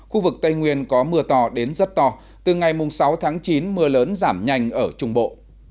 khu vực tây nguyên có mưa to đến rất to từ ngày sáu tháng chín mưa lớn giảm nhanh ở trung bộ